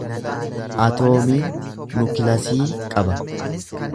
Atoomiin nukilasii qaba.